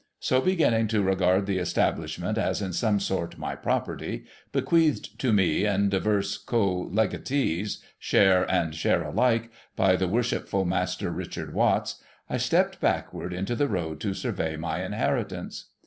So, beginning to regard the establishment as in some sort my property, bequeathed to mc and divers co legatees, share and share alike, by the ^Vorshipful Master Richard Watts, I stepped backward into the road to survey my inheritance.